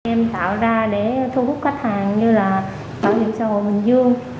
em tạo ra để thu hút khách hàng như là bảo hiểm xã hội bình dương